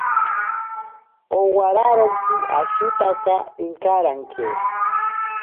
Owararontsi ashitaka inkaranke.